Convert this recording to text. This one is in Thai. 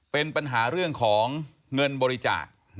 เป็นปัญหาเรื่องของเงินบริจาค